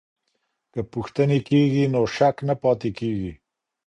که پوښتني کېږي نو شک نه پاته کېږي.